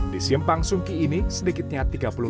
di simpang sungki ini sedikitnya tiga hari